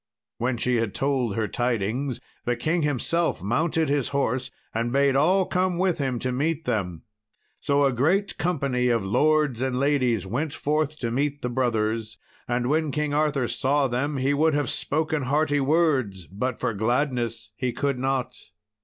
When she had told her tidings, the king himself mounted his horse and bade all come with him to meet them. So a great company of lords and ladies went forth to meet the brothers. And when King Arthur saw them he would have spoken hearty words, but for gladness he could not.